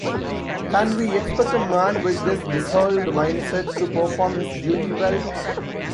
Can we expect a man with this disheveled mind-set to perform his duty well?